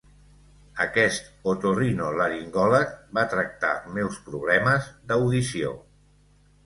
Aquest otorinolaringòleg va tractar els meus problemes d'audició.